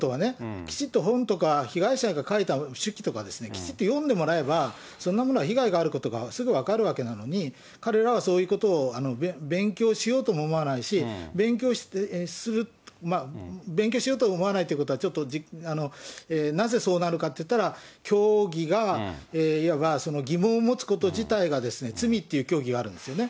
きちっと本とか被害者が書いた手記とかですね、きちっと読んでもらえれば、そんなものは被害があることがすぐ分かるわけなのに、彼らはそういうことを勉強しようとも思わないし、勉強しようとも思わないということは、ちょっとなぜそうなのかといったら、教義がいわば疑問を持つこと自体が罪っていう教義があるんですよね。